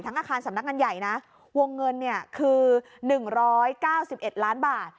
อาคารสำนักงานใหญ่นะวงเงินเนี่ยคือ๑๙๑ล้านบาท